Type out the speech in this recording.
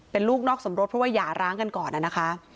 เป็นลูกนอกสมรสเพราะว่าหย่าร้างกันก่อนนะคะ